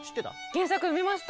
原作読みました。